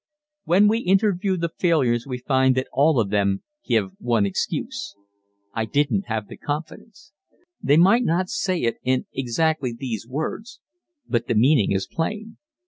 When we interview the failures we find that all of them give one excuse: "I didn't have the confidence." They may not say it in exactly these words but the meaning is plain.